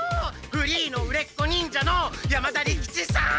フリーの売れっ子忍者の山田利吉さん！